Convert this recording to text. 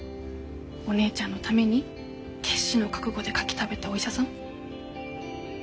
お姉ちゃんのために決死の覚悟でカキ食べたお医者さん？